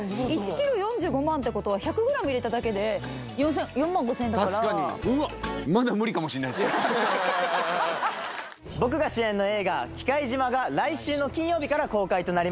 ｋｇ４５万ってことは１００ｇ入れただけで４万５０００円だから確かに僕が主演の映画「忌怪島」が来週の金曜日から公開となります